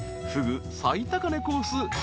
［フグ最高値コース